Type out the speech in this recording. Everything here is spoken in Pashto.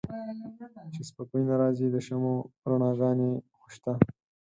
چې سپوږمۍ نه را ځي د شمعو رڼاګا نې خوشته